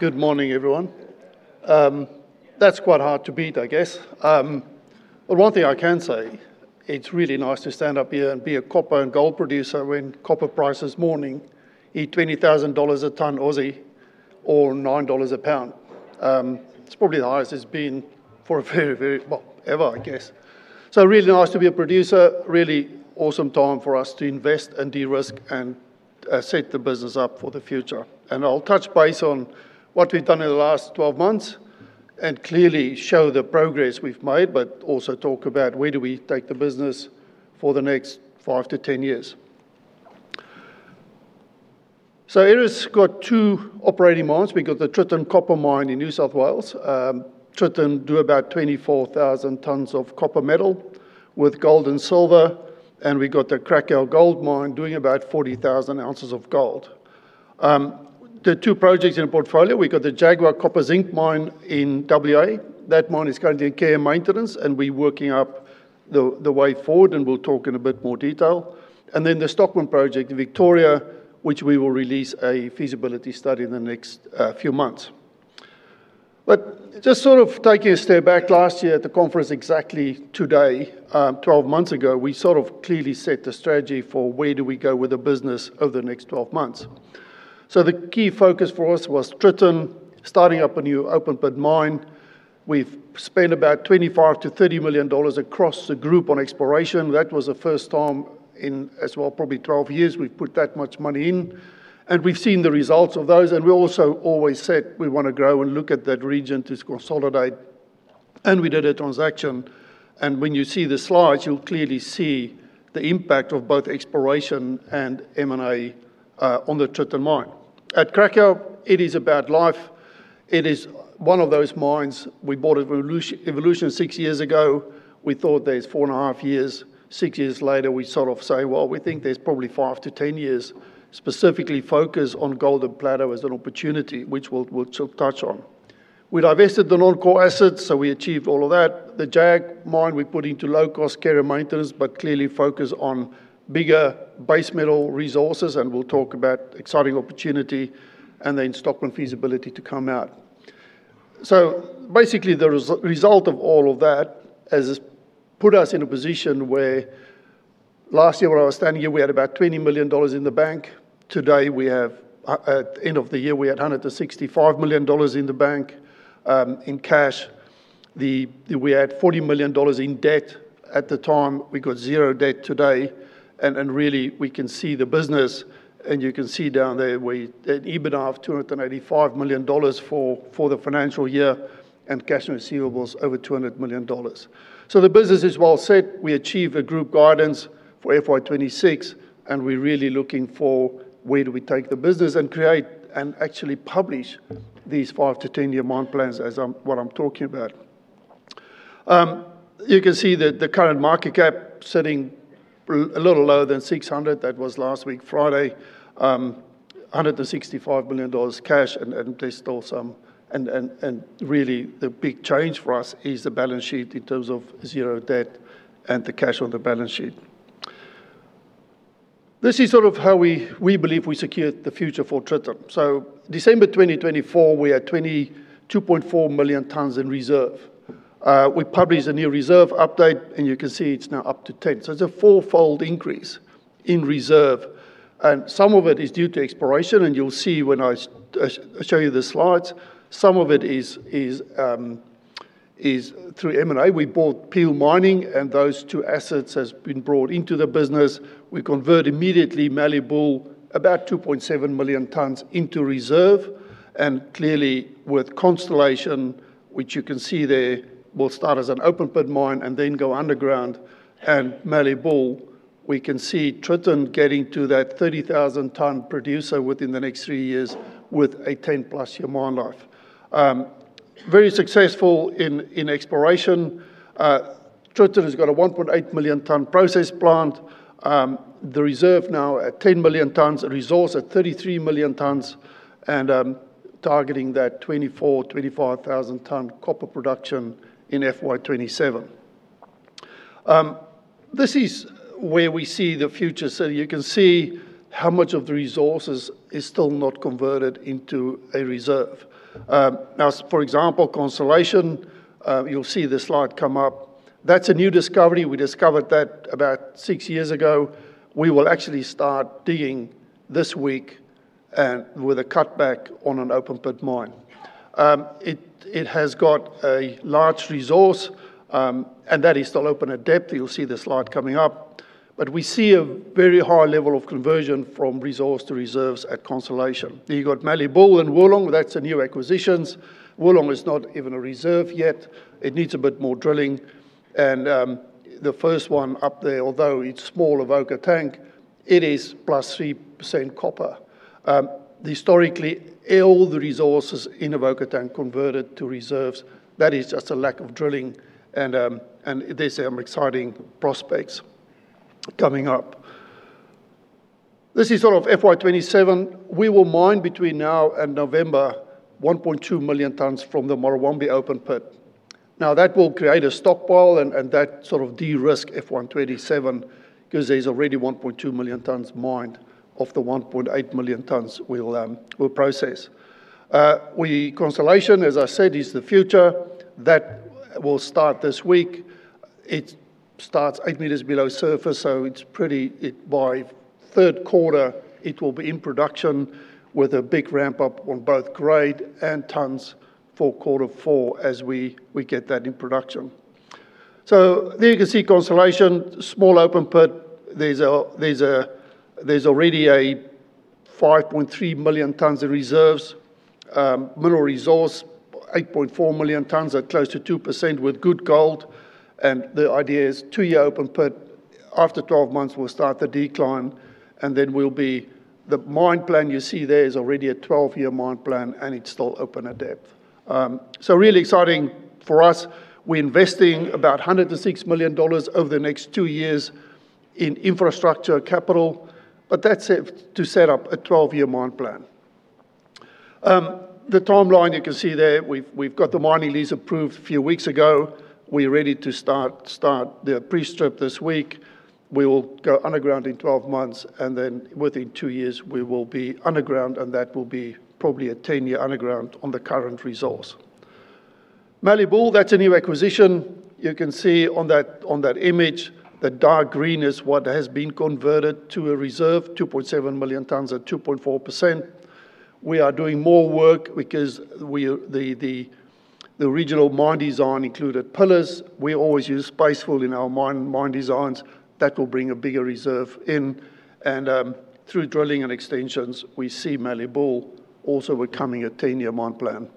Good morning, everyone. That's quite hard to beat, I guess. One thing I can say, it's really nice to stand up here and be a copper and gold producer when copper price this morning hit 20,000 dollars a tonne or 9 dollars a pound. It's probably the highest it's been for a well, ever, I guess. Really nice to be a producer, really awesome time for us to invest and de-risk and set the business up for the future. I'll touch base on what we've done in the last 12 months and clearly show the progress we've made, but also talk about where do we take the business for the next 5-10 years. Aeris has got two operating mines. We got the Tritton Copper Mine in New South Wales. Tritton do about 24,000 tonnes of copper metal with gold and silver. We got the Cracow Gold Mine doing about 40,000 oz of gold. The two projects in the portfolio, we got the Jaguar Copper/Zinc Mine in W.A. That mine is currently in care and maintenance, we're working up the way forward, we'll talk in a bit more detail. The Stockman Project in Victoria, which we will release a feasibility study in the next few months. Just sort of taking a step back, last year at the conference exactly today, 12 months ago, we sort of clearly set the strategy for where do we go with the business over the next 12 months. The key focus for us was Tritton starting up a new open pit mine. We've spent about 25 million-30 million dollars across the group on exploration. That was the first time in as well probably 12 years we've put that much money in, we've seen the results of those. We also always said we want to grow and look at that region to consolidate, we did a transaction. When you see the slides, you'll clearly see the impact of both exploration and M&A on the Tritton mine. At Cracow, it is about life. It is one of those mines we bought at Evolution six years ago. We thought there's 4.5 years. Six years later, we sort of say, "Well, we think there's probably 5 to 10 years specifically focus on Golden Plateau as an opportunity," which we'll touch on. We divested the non-core assets, we achieved all of that. The Jag mine we put into low-cost care and maintenance but clearly focus on bigger base metal resources, we'll talk about exciting opportunity and then Stockman feasibility to come out. Basically, the result of all of that has put us in a position where last year when I was standing here, we had about 20 million dollars in the bank. Today, at end of the year, we had 165 million dollars in the bank in cash. We had 40 million dollars in debt at the time. We got zero debt today. Really we can see the business, and you can see down there we did EBITDA of 285 million dollars for the financial year and cash and receivables over 200 million dollars. The business is well set. We achieved the group guidance for FY 2026, and we're really looking for where do we take the business and create and actually publish these 5-10-year mine plans as what I'm talking about. You can see that the current market cap sitting a little lower than 600 million. That was last week, Friday. 165 million dollars cash and there's still some. Really the big change for us is the balance sheet in terms of zero debt and the cash on the balance sheet. This is sort of how we believe we secured the future for Tritton. December 2024, we are 2.4 million tonnes in reserve. We published a new reserve update, and you can see it's now up to 10 million tonnes. So it's a fourfold increase in reserve. Some of it is due to exploration, and you'll see when I show you the slides. Some of it is through M&A. We bought Peel Mining, and those two assets has been brought into the business. We convert immediately Mallee Bull about 2.7 million tonnes into reserve. Clearly with Constellation, which you can see there, will start as an open pit mine and then go underground. Mallee Bull, we can see Tritton getting to that 30,000-tonne producer within the next three years with a 10+ year mine life. Very successful in exploration. Tritton has got a 1.8 million tonne process plant. The reserve now at 10 million tonnes, resource at 33 million tonnes and targeting that 24,000 tonne-25,000 tonne copper production in FY 2027. This is where we see the future. You can see how much of the resources is still not converted into a reserve. For example, Constellation, you'll see the slide come up. That's a new discovery. We discovered that about six years ago. We will actually start digging this week with a cutback on an open pit mine. It has got a large resource, and that is still open at depth. You'll see the slide coming up. We see a very high level of conversion from resource to reserves at Constellation. You got Mallee Bull and Wirlong. That's a new acquisitions. Wirlong is not even a reserve yet. It needs a bit more drilling. The first one up there, although it's small, Avoca Tank, it is +3% copper. Historically, all the resources in Avoca Tank converted to reserves. That is just a lack of drilling, and these are exciting prospects coming up. This is sort of FY 2027. We will mine between now and November 1.2 million tonnes from the Murrawombie open pit. That will create a stockpile, and that sort of de-risks FY 2027 because there's already 1.2 million tonnes mined of the 1.8 million tonnes we'll process. Constellation, as I said, is the future. That will start this week. It starts eight meters below surface, so by third quarter, it will be in production with a big ramp-up on both grade and tonnes for quarter four as we get that in production. There you can see Constellation, small open pit. There's already a 5.3 million tonnes of reserves. Mineral resource, 8.4 million tonnes at close to 2% with good gold. The idea is two-year open pit. After 12 months, we'll start the decline, and then the mine plan you see there is already a 12-year mine plan, and it's still open at depth. Really exciting for us. We're investing about 106 million dollars over the next two years in infrastructure capital. That's to set up a 12-year mine plan. The timeline you can see there. We've got the mining lease approved a few weeks ago. We're ready to start the pre-strip this week. We will go underground in 12 months, then within two years, we will be underground, and that will be probably a 10-year underground on the current resource. Mallee Bull, that's a new acquisition. You can see on that image, the dark green is what has been converted to a reserve, 2.7 million tonnes at 2.4%. We are doing more work because the original mine design included pillars. We always use paste fill in our mine designs. That will bring a bigger reserve in. Through drilling and extensions, we see Mallee Bull also becoming a 10-year mine plan,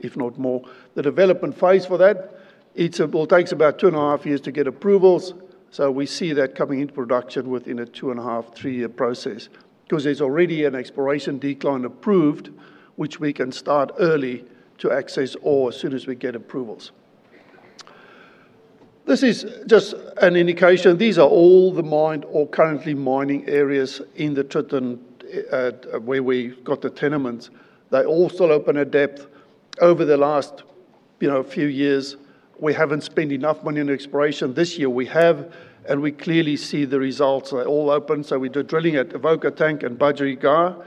if not more. The development phase for that, it takes about two and a half years to get approvals. We see that coming into production within a 2.5, three-year process. There's already an exploration decline approved, which we can start early to access ore as soon as we get approvals. This is just an indication. These are all the mine or currently mining areas in the Tritton where we got the tenements. They all still open at depth. Over the last few years, we haven't spent enough money on exploration. This year, we have, and we clearly see the results. They all open. We do drilling at Avoca Tank and Budgerygar.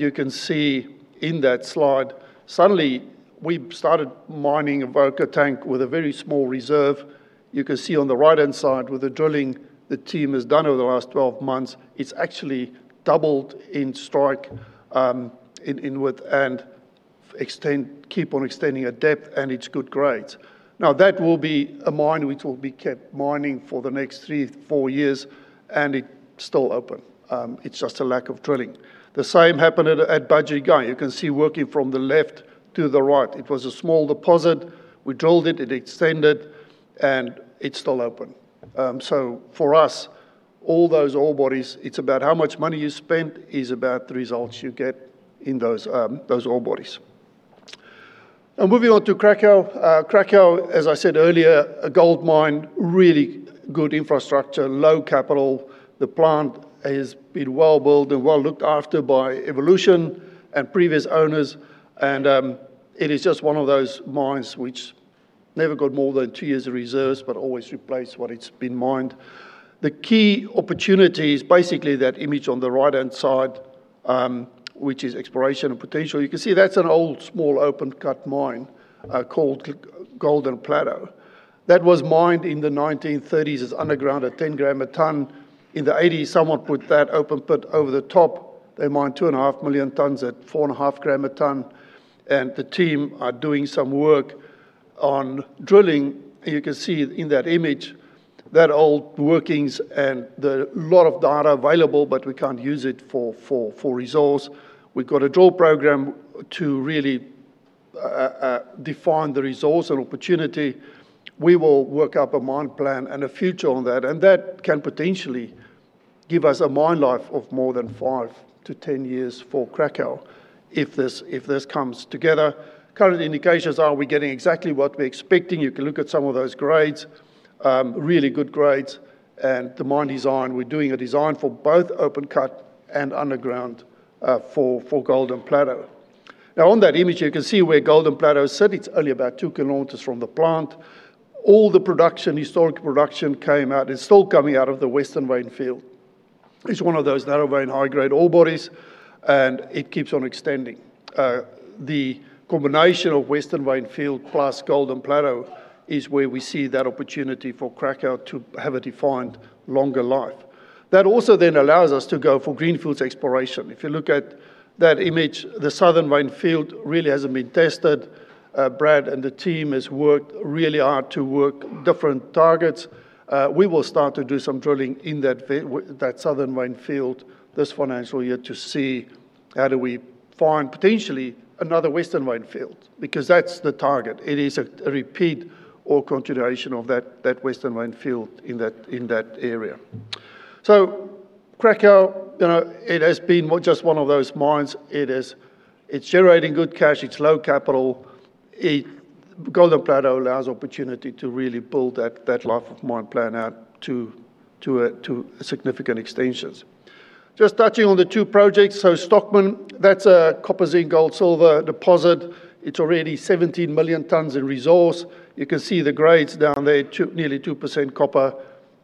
You can see in that slide, suddenly we started mining Avoca Tank with a very small reserve. You can see on the right-hand side with the drilling the team has done over the last 12 months, it's actually doubled in strike, in width, and keep on extending at depth, and it's good grades. That will be a mine which will be kept mining for the next three to four years, and it's still open. It's just a lack of drilling. The same happened at Budgerygar. You can see working from the left to the right. It was a small deposit. We drilled it. It extended, and it's still open. For us, all those ore bodies, it's about how much money you spend is about the results you get in those ore bodies. Moving on to Cracow. Cracow, as I said earlier, a gold mine, really good infrastructure, low capital. The plant has been well-built and well looked after by Evolution and previous owners. It is just one of those mines which never got more than two years of reserves but always replaced what it's been mined. The key opportunity is basically that image on the right-hand side, which is exploration and potential. You can see that's an old, small open cut mine called Golden Plateau. That was mined in the 1930s as underground at 10 g a tonne. In the 1980s, someone put that open pit over the top. They mined 2.5 million tonnes at 4.5 g a tonne. The team are doing some work on drilling. You can see in that image that old workings and a lot of data available, we can't use it for resource. We've got a drill program to really define the resource and opportunity. We will work up a mine plan and a future on that. That can potentially give us a mine life of more than 5-10 years for Cracow if this comes together. Current indications are we're getting exactly what we're expecting. You can look at some of those grades. Really good grades. The mine design, we're doing a design for both open cut and underground for Golden Plateau. On that image, you can see where Golden Plateau is set. It's only about 2 km from the plant. All the production, historic production came out, is still coming out of the Western Vein field. It's one of those narrow vein, high-grade ore bodies. It keeps on extending. The combination of Western Vein field plus Golden Plateau is where we see that opportunity for Cracow to have a defined longer life. That also allows us to go for greenfields exploration. If you look at that image, the Southern Vein field really hasn't been tested. Brad and the team has worked really hard to work different targets. We will start to do some drilling in that Southern Vein field this financial year to see how do we find potentially another Western Vein field, because that's the target. It is a repeat or continuation of that Western Vein field in that area. Cracow, it has been just one of those mines. It's generating good cash. It's low capital. Golden Plateau allows opportunity to really build that life of mine plan out to significant extensions. Just touching on the two projects. Stockman, that's a copper, zinc, gold, silver deposit. It's already 17 million tonnes in resource. You can see the grades down there, nearly 2% copper,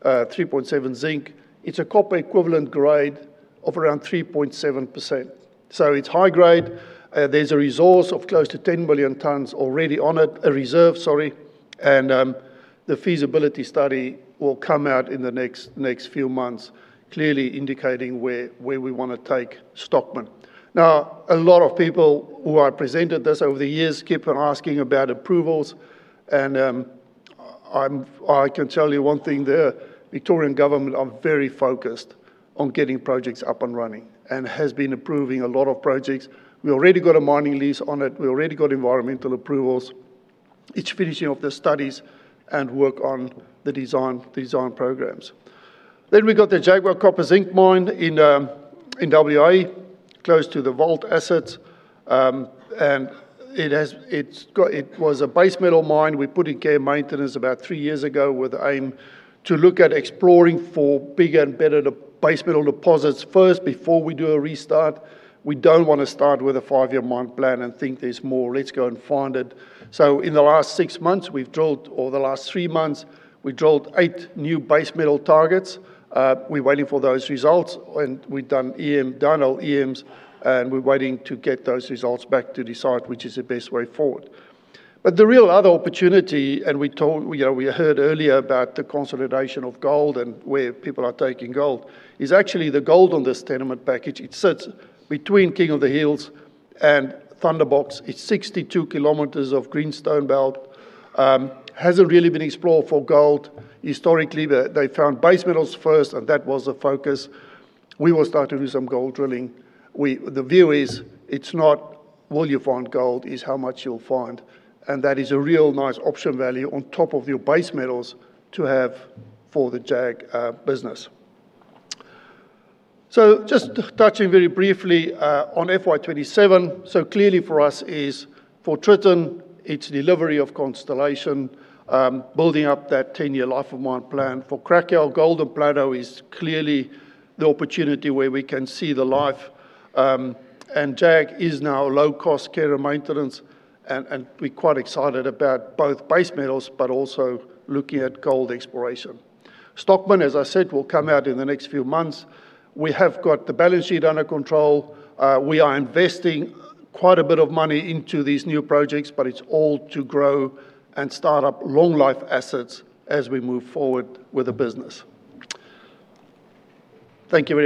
3.7% zinc. It's a copper equivalent grade of around 3.7%. It's high grade. There's a resource of close to 10 million tonnes already on it, a reserve, sorry. The feasibility study will come out in the next few months, clearly indicating where we want to take Stockman. A lot of people who I presented this over the years keep on asking about approvals. I can tell you one thing there, Victorian government are very focused on getting projects up and running and has been approving a lot of projects. We already got a mining lease on it. We already got environmental approvals. It's finishing off the studies and work on the design programs. We got the Jaguar Copper/Zinc Mine in W.A., close to the Vault assets. It was a base metal mine. We put in care and maintenance about three years ago with the aim to look at exploring for bigger and better base metal deposits first before we do a restart. We don't want to start with a five-year mine plan and think there's more, let's go and find it. In the last six months, or the last three months, we drilled eight new base metal targets. We're waiting for those results, and we've done down-hole EMs, and we're waiting to get those results back to decide which is the best way forward. The real other opportunity, and we heard earlier about the consolidation of gold and where people are taking gold, is actually the gold on this tenement package. It sits between King of the Hills and Thunderbox. It's 62 km of greenstone belt. Hasn't really been explored for gold. Historically, they found base metals first, that was the focus. We will start to do some gold drilling. The view is it's not will you find gold, it's how much you'll find. That is a real nice option value on top of your base metals to have for the JAG business. Just touching very briefly on FY 2027. Clearly for us is for Tritton, it's delivery of Constellation, building up that 10-year life of mine plan. For Cracow, Golden Plateau is clearly the opportunity where we can see the life. JAG is now low-cost care and maintenance, and we're quite excited about both base metals, but also looking at gold exploration. Stockman, as I said, will come out in the next few months. We have got the balance sheet under control. We are investing quite a bit of money into these new projects, but it's all to grow and start up long-life assets as we move forward with the business. Thank you.